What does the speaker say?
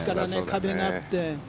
壁があって。